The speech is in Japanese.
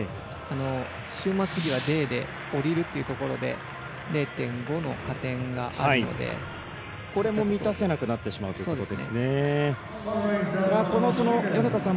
終末技はＤで下りるというところで０．５の加点があるので満たせなくなってしまうんですね。